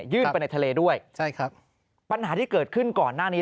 ไปในทะเลด้วยใช่ครับปัญหาที่เกิดขึ้นก่อนหน้านี้